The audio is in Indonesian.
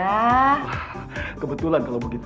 wah kebetulan kalau begitu